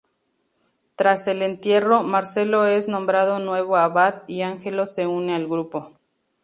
Tras el entierro, Marcello es nombrado nuevo abad, y Angelo se une al grupo.